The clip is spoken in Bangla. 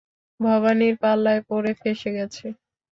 ভবানীর পাল্লায় পড়ে ফেঁসে গেছে।